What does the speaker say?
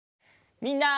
みんな！